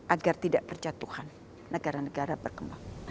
agar tidak berjatuhan negara negara berkembang